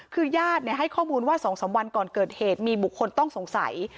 คือญาติให้ข้อมูลว่า๒๓วันก่อนเกิดเหตุมีบุคคลต้องสงสัย